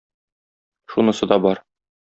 Шунысы да бар.